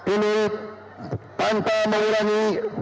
ini tanpa mengurangi